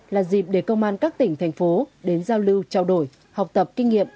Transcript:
là dịp để công an các tỉnh thành phố đến giao lưu trao đổi học tập kinh nghiệm